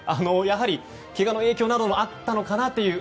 やはり、けがの影響などもあったのかなと。